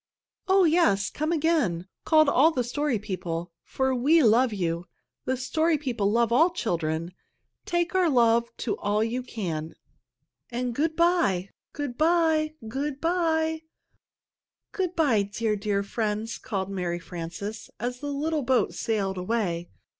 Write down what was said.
"Oh, yes, come again!" called all the Story People. "For we love you! The Story People love all children. Take our love to all you can, and good by! Good by! Good by!" "Good by, dear, dear friends!" called Mary Frances, as the little boat sailed away.